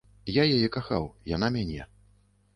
Я яе кахаў, яна мяне.